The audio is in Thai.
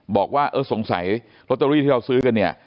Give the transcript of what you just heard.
บอกว่าเออสงสัยลอตเตอรี่ที่เราซื้อกันเนี่ย